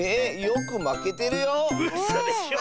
うんまけてるよ。